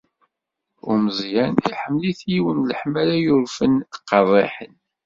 Umeẓyan, iḥemmel-it yiwet n leḥmala yurfen qerriḥen.